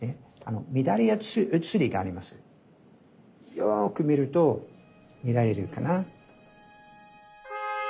よく見ると見られるかな。